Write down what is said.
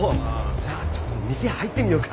じゃあちょっと店入ってみようか。